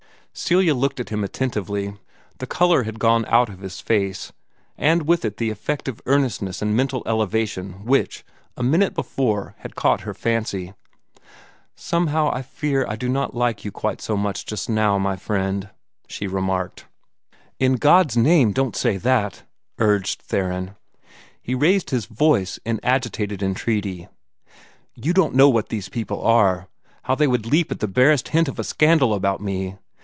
Celia looked at him attentively. The color had gone out of his face, and with it the effect of earnestness and mental elevation which, a minute before, had caught her fancy. "Somehow, I fear that I do not like you quite so much just now, my friend," she remarked. "In God's name, don't say that!" urged Theron. He raised his voice in agitated entreaty. "You don't know what these people are how they would leap at the barest hint of a scandal about me.